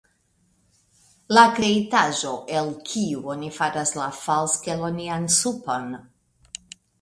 La kreitaĵo, el kiu oni faras la falskelonian supon.